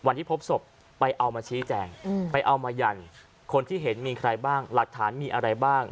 วันที่พบศพไปเอามาชี้แจงไปเอามายันคนที่เห็นมีใครบ้างหลักฐานมีอะไรบ้าง